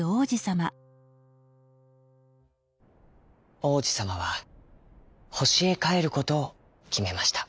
王子さまは星へかえることをきめました。